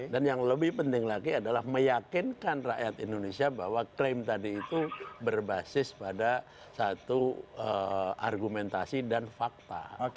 dan yang lebih penting lagi adalah meyakinkan rakyat indonesia bahwa klaim tadi itu berbasis pada satu argumentasi dan fakta